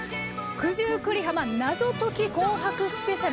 「九十九里浜謎解き紅白スペシャル」。